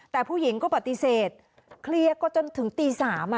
แต่ผู้หญิงก็ปฏิเสธเคลียร์ก็จนถึงตี๓